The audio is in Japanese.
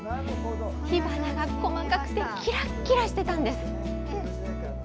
火花が細かくて、きらっきらしてたんです。